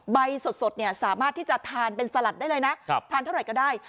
ใบสดเนี่ยสามารถที่จะทานเป็นสลัดได้เลยนะทานเท่าไหร่ก็ได้